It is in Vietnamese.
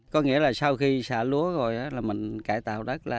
có nghĩa là sau khi xả lúa rồi là mình cải tạo đất